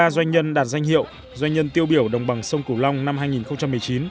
ba mươi doanh nhân đạt danh hiệu doanh nhân tiêu biểu đồng bằng sông cửu long năm hai nghìn một mươi chín